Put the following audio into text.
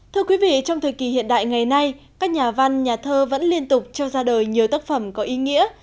thưa quý vị trong thời kỳ hiện đại ngày nay các nhà văn nhà thơ vẫn liên tục trao ra đời nhiều tác phẩm có ý nghĩa